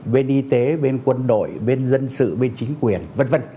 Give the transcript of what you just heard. bên y tế bên quân đội bên dân sự bên chính quyền v v